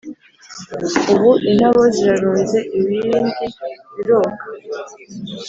Ubu intabo zirarunze Ibibindi biroga